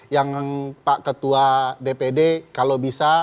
yang pak ketua dpd kalau bisa